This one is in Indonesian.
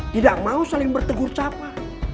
tidak mau saling bertegur capa